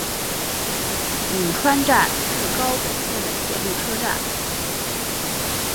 鹉川站日高本线的铁路车站。